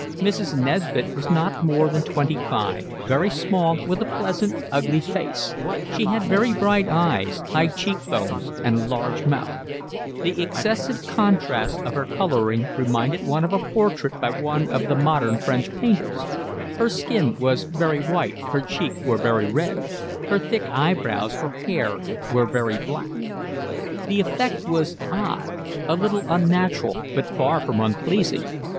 Mrs. Nesbit was not more than twenty five, very small, with a pleasant, ugly face; she had very bright eyes, high cheekbones, and a large mouth: the excessive contrasts of her colouring reminded one of a portrait by one of the modern French painters; her skin was very white, her cheeks were very red, her thick eyebrows, her hair, were very black. The effect was odd, a little unnatural, but far from unpleasing.